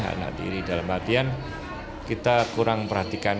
anak tiri dalam artian kita kurang perhatikan